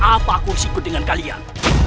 apa aku ikut dengan kalian